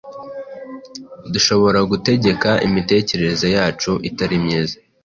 dushobora gutegeka imitekerereze yacu itari myiza